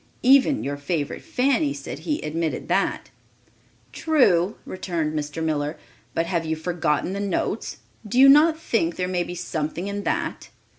"Even your favorite Fanny," said he, "admitted that." "True," returned Mr. Miller, "but have you forgotten the notes? Do you not think there may be something in that?"